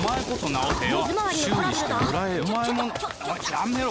やめろ！